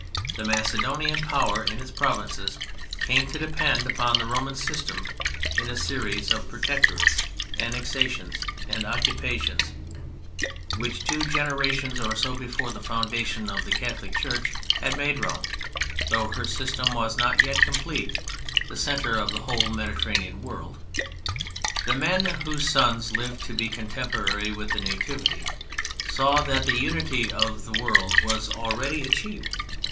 The Macedonian power in its provinces came to depend upon the Roman system in a series of protectorates, annexations, and occupations, which two generations or so before the foundation of the Catholic Church had made Rome, though her system was not yet complete, the centre of the whole Mediterranean world. The men whose sons lived to be contemporary with the Nativity saw that the unity of that world was already achieved.